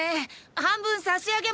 半分差し上げますよ。